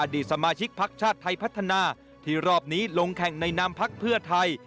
ดีสมาชิกพักชาติไทยพัฒนาที่รอบนี้ลงแข่งในนามพักเพื่อไทย